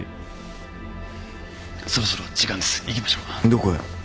どこへ？